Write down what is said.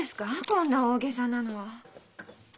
こんな大げさなの。